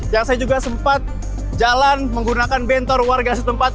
yang saya juga sempat jalan menggunakan bentor warga setempat